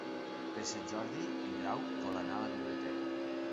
Per Sant Jordi en Grau vol anar a la biblioteca.